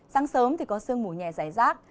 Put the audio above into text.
sáng sớm thì có sương mù nhẹ dài rác